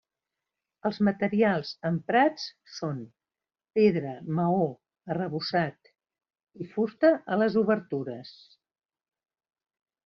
Els materials emprats són: pedra, maó, arrebossat i fusta a les obertures.